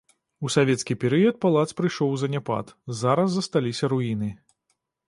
У савецкі перыяд палац прыйшоў у заняпад, зараз засталіся руіны.